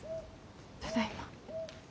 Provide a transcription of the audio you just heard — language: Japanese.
ただいま。